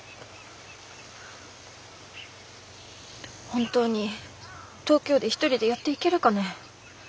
本当に東京で一人でやっていけるかね。